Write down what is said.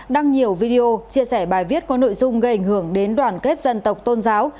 đăng nhiều video chia sẻ bài viết có nội dung gây ảnh hưởng đến đoàn kết dân tộc tôn giáo